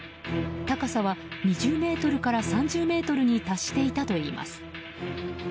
高さは２０ｍから３０ｍに達していたといいます。